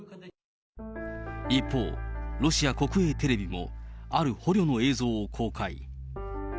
一方、ロシア国営テレビも、ある捕虜の映像を公開。